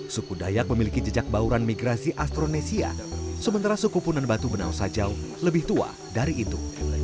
suku dayak memiliki jejak bauran migrasi astronesia sementara suku punan batu benau sajau lebih tua dari itu